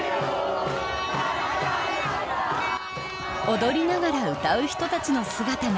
踊りながら歌う人たちの姿が。